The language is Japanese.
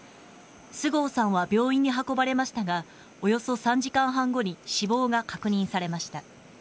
菅生さんは病院に運ばれましたがおよそ３時間半後に死亡が確認されました。